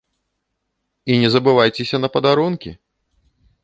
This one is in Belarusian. І не забывайцеся на падарункі!